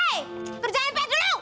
eh kerjaan dulu